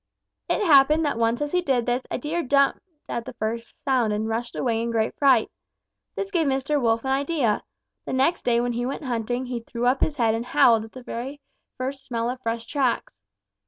"It happened that once as he did this, a Deer jumped at the first sound and rushed away in great fright. This gave Mr. Wolf an idea. The next day when he went hunting he threw up his head and howled at the very first smell of fresh tracks.